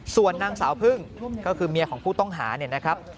ส่วนนางสาวพึ่งก็คือเมียของผู้ต้องหาเนี่ยนะครับ